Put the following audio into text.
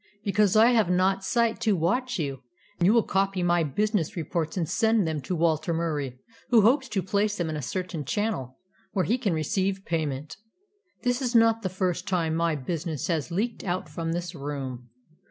Because I have not sight to watch you, you will copy my business reports and send them to Walter Murie, who hopes to place them in a certain channel where he can receive payment. This is not the first time my business has leaked out from this room.